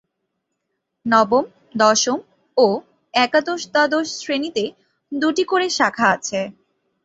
নবম-দশম ও একাদশ-দ্বাদশ শ্রেণীতে দুটি করে শাখা আছে।